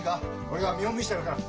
俺が見本見せてやるから。